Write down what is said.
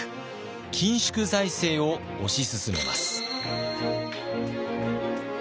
緊縮財政を推し進めます。